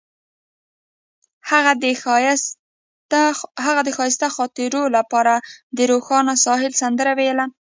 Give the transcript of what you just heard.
هغې د ښایسته خاطرو لپاره د روښانه ساحل سندره ویله.